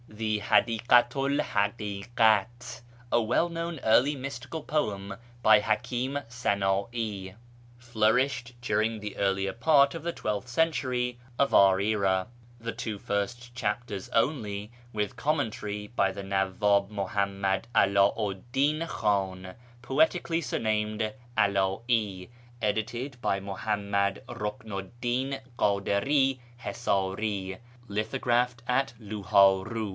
The ITadikatu' I Hnhikat, a well known early mystical poem by Hakim Sanai (flourished during the earlier part of the twelfth century of our era) ; the two first chapters only, with commentary by the Nawwiib Muhammad 'AL'i'u 'd Di'n Khan, poetically surnamed 'Ala'i, edited by Muhammad Euknu 'd Din Kiidiri Hisari. Lithographed at Luht'iru.